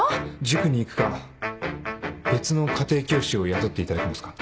塾に行くか別の家庭教師を雇っていただけますか。